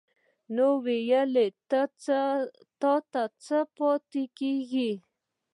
نور ويلو ته څه نه پاتې کېږي.